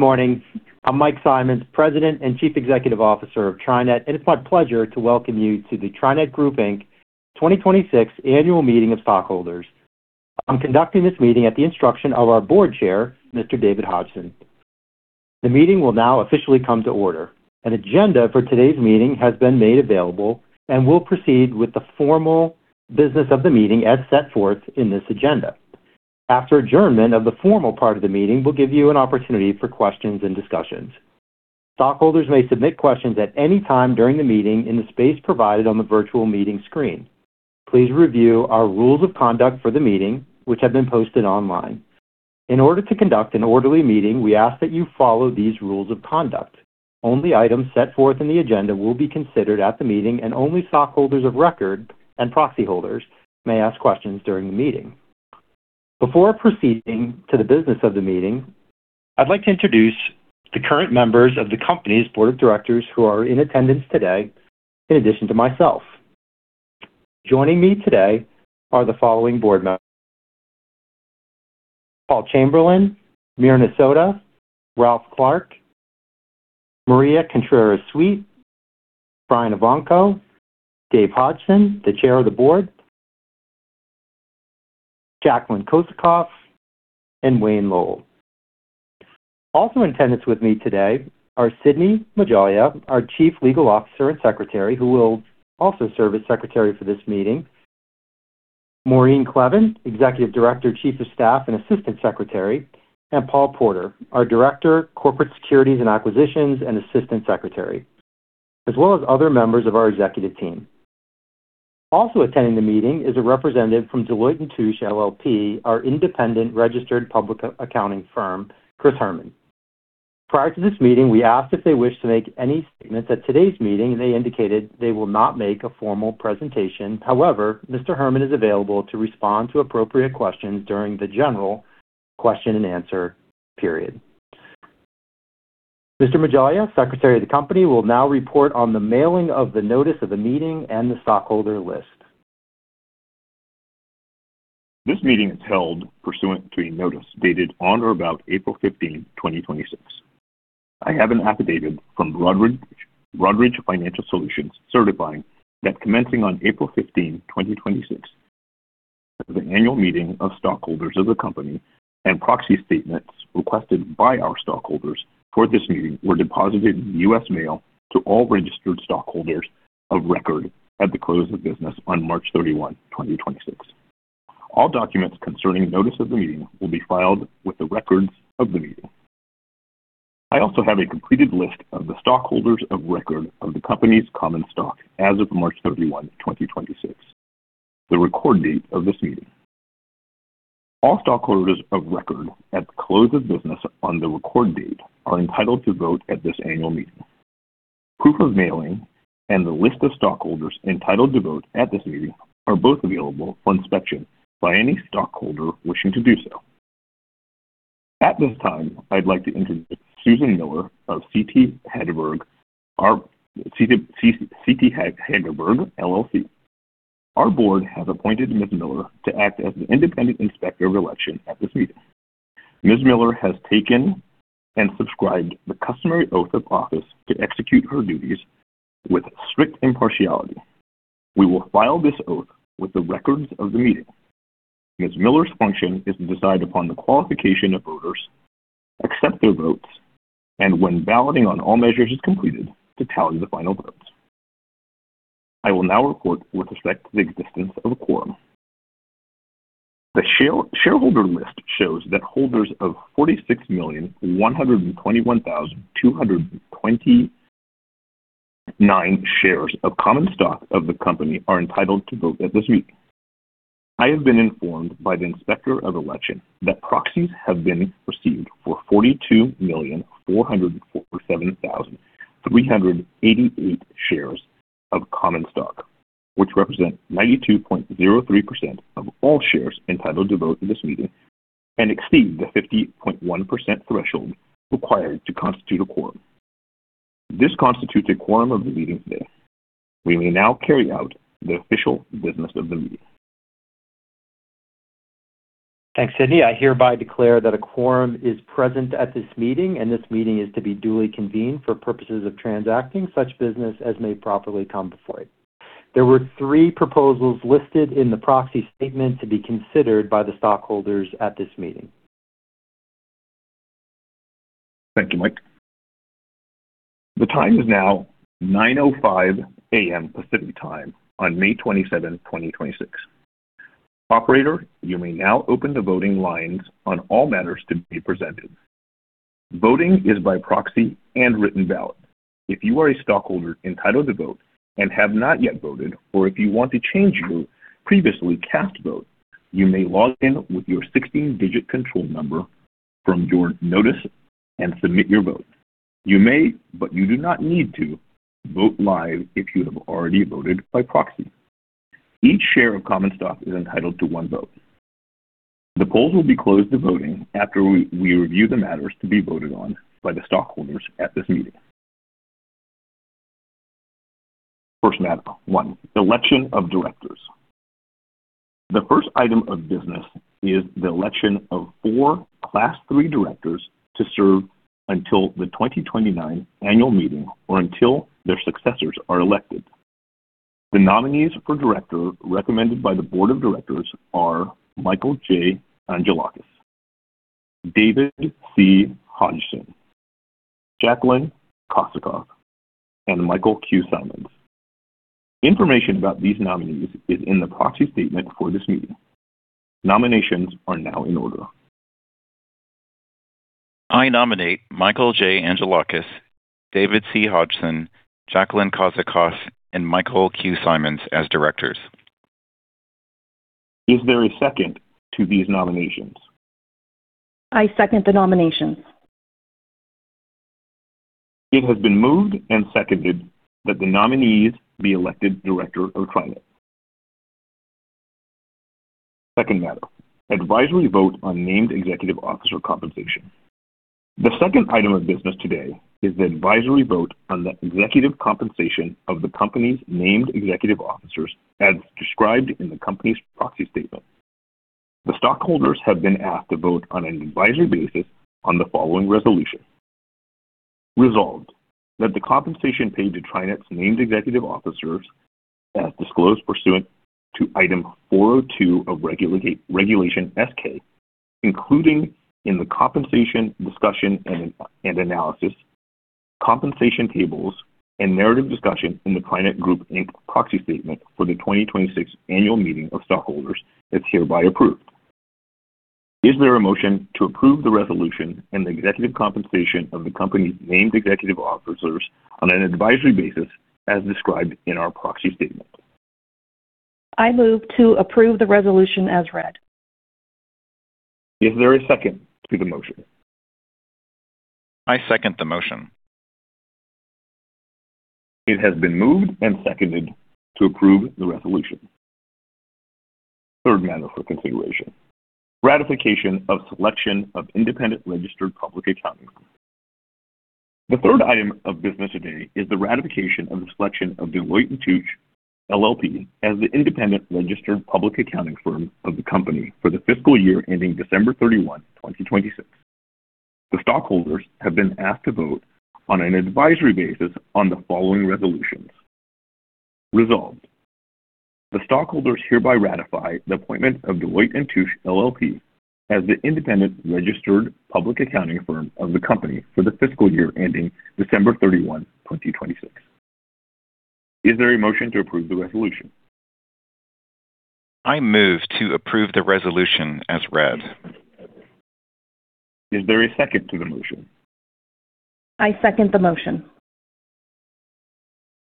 Good morning. I'm Mike Simonds, President and Chief Executive Officer of TriNet. It's my pleasure to welcome you to the TriNet Group, Inc. 2026 Annual Meeting of Stockholders. I'm conducting this meeting at the instruction of our Board Chair, Mr. David Hodgson. The meeting will now officially come to order. An agenda for today's meeting has been made available and will proceed with the formal business of the meeting as set forth in this agenda. After adjournment of the formal part of the meeting, we'll give you an opportunity for questions and discussions. Stockholders may submit questions at any time during the meeting in the space provided on the virtual meeting screen. Please review our rules of conduct for the meeting, which have been posted online. In order to conduct an orderly meeting, we ask that you follow these rules of conduct. Only items set forth in the agenda will be considered at the meeting, and only stockholders of record and proxy holders may ask questions during the meeting. Before proceeding to the business of the meeting, I'd like to introduce the current members of the company's Board of Directors who are in attendance today, in addition to myself. Joining me today are the following Board members: Paul Chamberlain, Myrna Soto, Ralph Clark, Maria Contreras-Sweet, Brian Evanko, David Hodgson, the Chair of the Board, Jacqueline Kosecoff, and Wayne Lowell. Also in attendance with me today are Sidney Majalya, our Chief Legal Officer and Secretary, who will also serve as Secretary for this meeting, Maureen Cleven, Executive Director, Chief of Staff, and Assistant Secretary, and Paul Porter, our Director, Corporate Securities and Acquisitions, and Assistant Secretary, as well as other members of our executive team. Also attending the meeting is a representative from Deloitte & Touche LLP, our independent registered public accounting firm, Chris Herman. Prior to this meeting, we asked if they wished to make any statements at today's meeting, and they indicated they will not make a formal presentation. However, Mr. Herman is available to respond to appropriate questions during the general question and answer period. Mr. Majalya, Secretary of the company, will now report on the mailing of the notice of the meeting and the stockholder list. This meeting is held pursuant to a notice dated on or about April 15th, 2026. I have an affidavit from Broadridge Financial Solutions certifying that commencing on April 15th, 2026, the annual meeting of stockholders of the company and proxy statements requested by our stockholders for this meeting were deposited in the U.S. mail to all registered stockholders of record at the close of business on March 31, 2026. All documents concerning notice of the meeting will be filed with the records of the meeting. I also have a completed list of the stockholders of record of the company's common stock as of March 31, 2026, the record date of this meeting. All stockholders of record at the close of business on the record date are entitled to vote at this annual meeting. Proof of mailing and the list of stockholders entitled to vote at this meeting are both available for inspection by any stockholder wishing to do so. At this time, I'd like to introduce Susan Miller of CT Hagberg, LLC. Our board has appointed Ms. Miller to act as the independent inspector of election at this meeting. Ms. Miller has taken and subscribed the customary oath of office to execute her duties with strict impartiality. We will file this oath with the records of the meeting. Ms. Miller's function is to decide upon the qualification of voters, accept their votes, and when balloting on all measures is completed, to tally the final votes. I will now report with respect to the existence of a quorum. The shareholder list shows that holders of 46,121,229 shares of common stock of the company are entitled to vote at this meeting. I have been informed by the inspector of election that proxies have been received for 42,407,388 shares of common stock, which represent 92.03% of all shares entitled to vote in this meeting and exceed the 50.1% threshold required to constitute a quorum. This constitutes a quorum of the meeting today. We may now carry out the official business of the meeting. Thanks, Sidney. I hereby declare that a quorum is present at this meeting, and this meeting is to be duly convened for purposes of transacting such business as may properly come before it. There were three proposals listed in the proxy statement to be considered by the stockholders at this meeting. Thank you, Mike. The time is now 9:05 A.M. Pacific Time on May 27th, 2026. Operator, you may now open the voting lines on all matters to be presented. Voting is by proxy and written ballot. If you are a stockholder entitled to vote and have not yet voted, or if you want to change your previously cast vote, you may log in with your 16-digit control number from your notice and submit your vote. You may, but you do not need to, vote live if you have already voted by proxy. Each share of common stock is entitled to one vote. The polls will be closed to voting after we review the matters to be voted on by the stockholders at this meeting. First matter, one, the election of directors. The first item of business is the election of four Class III directors to serve until the 2029 annual meeting or until their successors are elected. The nominees for director recommended by the board of directors are Michael J. Angelakis, David C. Hodgson, Jacqueline Kosecoff, and Mike Simonds. Information about these nominees is in the proxy statement for this meeting. Nominations are now in order. I nominate Michael J. Angelakis, David C. Hodgson, Jacqueline Kosecoff, and Mike Simonds as directors. Is there a second to these nominations? I second the nominations. It has been moved and seconded that the nominees be elected director of TriNet. Second matter, advisory vote on named executive officer compensation. The second item of business today is the advisory vote on the executive compensation of the company's named executive officers as described in the company's proxy statement. The stockholders have been asked to vote on an advisory basis on the following resolution. Resolved that the compensation paid to TriNet's named executive officers, as disclosed pursuant to Item 402 of Regulation S-K, including in the compensation discussion and analysis, compensation tables, and narrative discussion in the TriNet Group, Inc. proxy statement for the 2026 annual meeting of stockholders is hereby approved. Is there a motion to approve the resolution and the executive compensation of the company's named executive officers on an advisory basis as described in our proxy statement? I move to approve the resolution as read. Is there a second to the motion? I second the motion. It has been moved and seconded to approve the resolution. Third matter for consideration, ratification of selection of independent registered public accounting firm. The third item of business today is the ratification of the selection of Deloitte & Touche LLP as the independent registered public accounting firm of the company for the fiscal year ending December 31, 2026. The stockholders have been asked to vote on an advisory basis on the following resolutions. Resolved, the stockholders hereby ratify the appointment of Deloitte & Touche LLP as the independent registered public accounting firm of the company for the fiscal year ending December 31, 2026. Is there a motion to approve the resolution? I move to approve the resolution as read. Is there a second to the motion? I second the motion.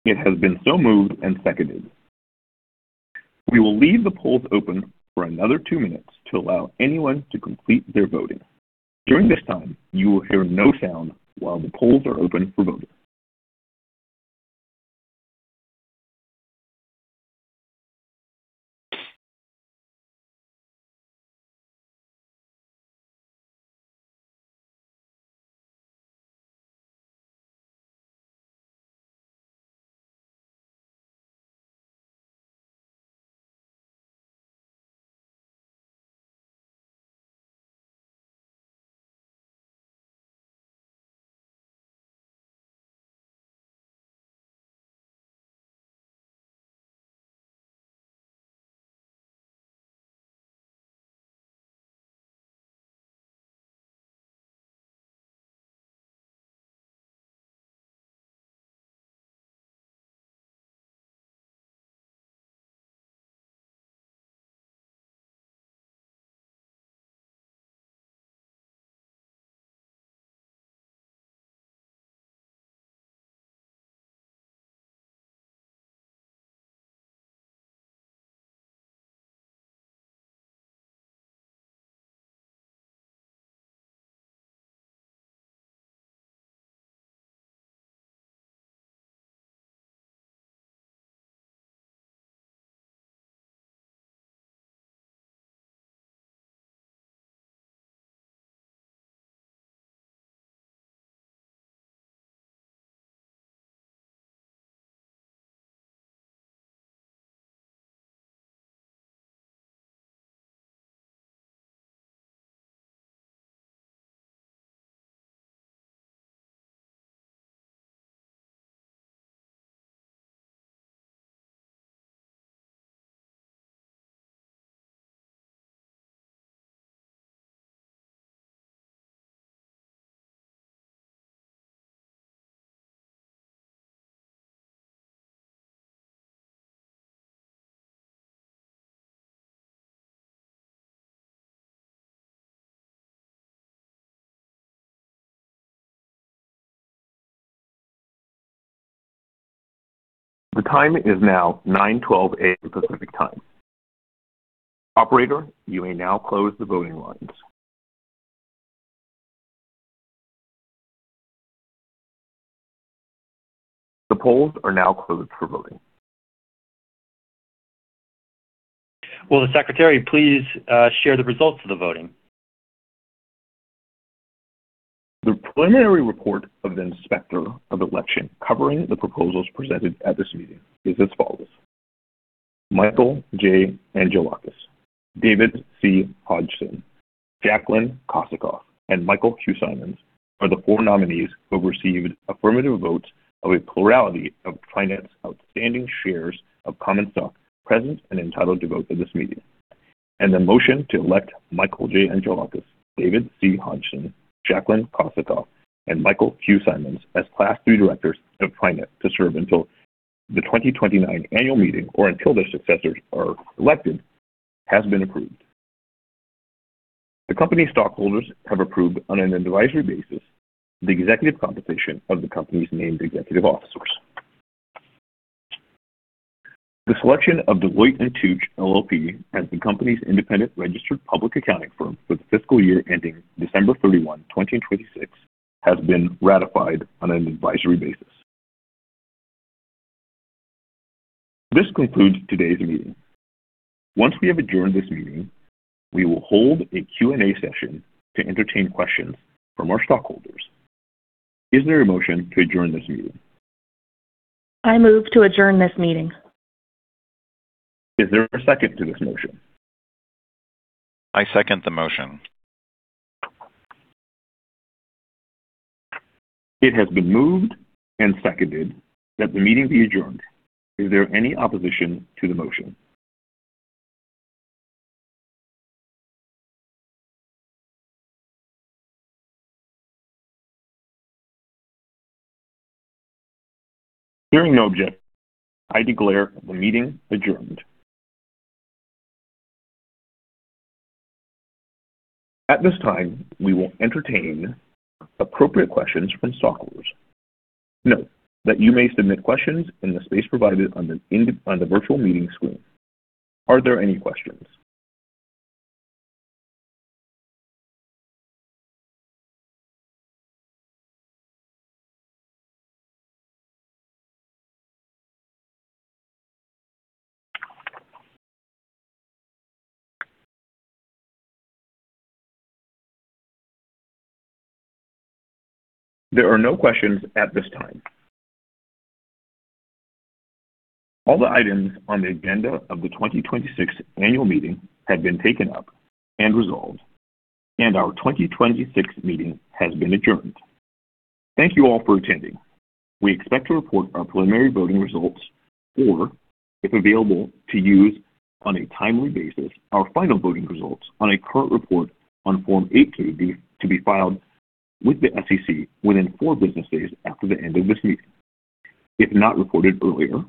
It has been so moved and seconded. We will leave the polls open for another two minutes to allow anyone to complete their voting. During this time, you will hear no sound while the polls are open for voting. The time is now 9:12 A.M. Pacific Time. Operator, you may now close the voting lines. The polls are now closed for voting. Will the Secretary please share the results of the voting? The preliminary report of the Inspector of Election covering the proposals presented at this meeting is as follows: Michael J. Angelakis, David C. Hodgson, Jacqueline Kosecoff, and Michael Q. Simonds are the four nominees who received affirmative votes of a plurality of TriNet's outstanding shares of common stock present and entitled to vote at this meeting. The motion to elect Michael J. Angelakis, David C. Hodgson, Jacqueline Kosecoff, and Michael Q. Simonds as Class III directors of TriNet to serve until the 2029 annual meeting or until their successors are elected has been approved. The company stockholders have approved on an advisory basis the executive compensation of the company's named executive officers. The selection of Deloitte & Touche LLP as the company's independent registered public accounting firm for the fiscal year ending December 31, 2026, has been ratified on an advisory basis. This concludes today's meeting. Once we have adjourned this meeting, we will hold a Q&A session to entertain questions from our stockholders. Is there a motion to adjourn this meeting? I move to adjourn this meeting. Is there a second to this motion? I second the motion. It has been moved and seconded that the meeting be adjourned. Is there any opposition to the motion? Hearing no objection, I declare the meeting adjourned. At this time, we will entertain appropriate questions from stockholders. Note that you may submit questions in the space provided on the virtual meeting screen. Are there any questions? There are no questions at this time. All the items on the agenda of the 2026 annual meeting have been taken up and resolved, and our 2026 meeting has been adjourned. Thank you all for attending. We expect to report our preliminary voting results, or, if available to use on a timely basis, our final voting results on a current report on Form 8-K to be filed with the SEC within four business days after the end of this meeting. If not reported earlier,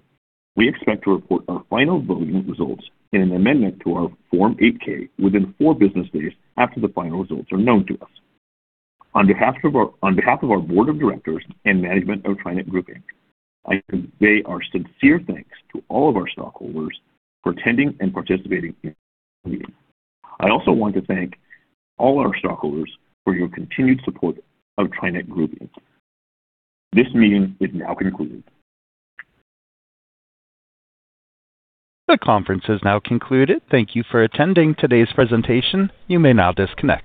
we expect to report our final voting results in an amendment to our Form 8-K within four business days after the final results are known to us. On behalf of our board of directors and management of TriNet Group, Inc., I convey our sincere thanks to all of our stockholders for attending and participating in this meeting. I also want to thank all our stockholders for your continued support of TriNet Group, Inc. This meeting is now concluded. The conference has now concluded. Thank you for attending today's presentation. You may now disconnect.